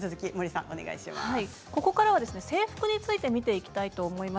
ここからは制服について見ていきたいと思います。